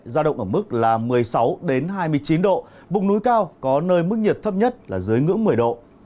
giao động ở mức là một mươi sáu hai mươi chín độ vùng núi cao có nơi mức nhiệt thấp nhất là dưới ngưỡng một mươi độ